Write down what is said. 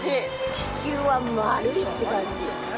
地球は丸いって感じ。